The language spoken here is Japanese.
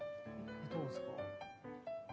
どうですか？